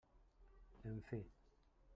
En fi!